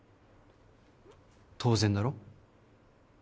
当然だろ。